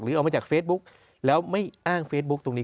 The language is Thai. ออกมาจากเฟซบุ๊กแล้วไม่อ้างเฟซบุ๊คตรงนี้